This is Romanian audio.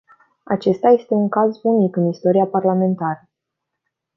Acesta este un caz unic în istoria parlamentară.